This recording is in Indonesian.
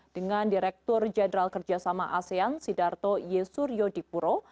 dengan direktur jenderal kerjasama asean sidarto yesuryo dipuro